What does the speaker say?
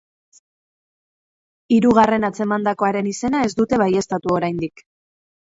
Hirugarren atzemandakoaren izena ez dute baieztatu oraindik.